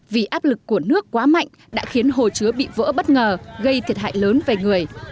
vì áp lực của nước quá mạnh đã khiến hồ chứa bị vỡ bất ngờ gây thiệt hại lớn về người